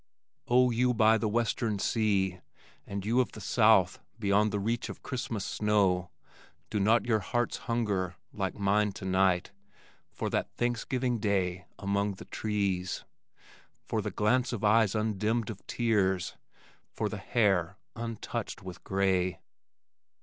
Oh, you by the western sea, and you of the south beyond the reach of Christmas snow, do not your hearts hunger, like mine tonight for that Thanksgiving Day among the trees? For the glance of eyes undimmed of tears, for the hair untouched with gray?